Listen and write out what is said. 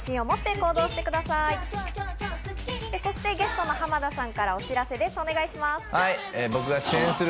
ゲストの濱田さんからお知らせです。